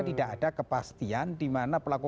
tidak ada kepastian di mana pelaku